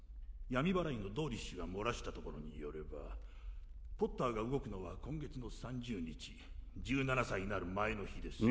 闇祓いのドーリッシュが漏らしたところによればポッターが動くのは今月の３０日１７歳になる前の日です